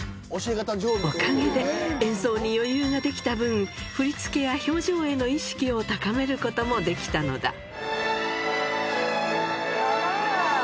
おかげで演奏に余裕が出来た分、振り付けや表情への意識を高めることもできたのだ。